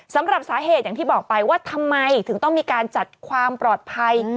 สำหรับสาเหตุอย่างที่บอกไปว่าทำไมถึงต้องมีการจัดความปลอดภัย